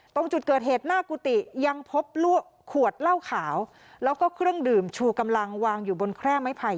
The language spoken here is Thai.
ตรงจุดเกิดเหตุหน้ากุฏิยังพบขวดเหล้าขาวแล้วก็เครื่องดื่มชูกำลังวางอยู่บนแคร่ไม้ไผ่